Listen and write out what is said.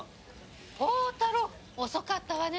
宝太郎遅かったわね。